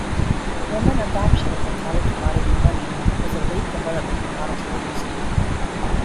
Roman adoption of metallic commodity money was a late development in monetary history.